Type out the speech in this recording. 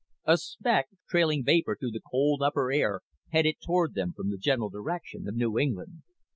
A speck, trailing vapor through the cold upper air, headed toward them from the general direction of New England.